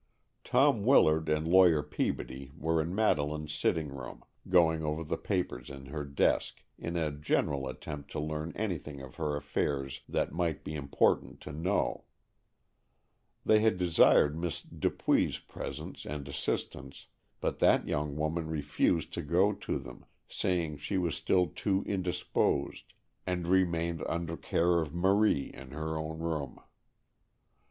Tom Willard and Lawyer Peabody were in Madeleine's sitting room, going over the papers in her desk, in a general attempt to learn anything of her affairs that might be important to know. They had desired Miss Dupuy's presence and assistance, but that young woman refused to go to them, saying she was still too indisposed, and remained, under care of Marie, in her own room.